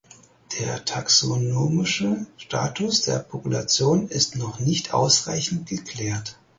Der taxonomische Status der Population ist noch nicht ausreichend geklärt.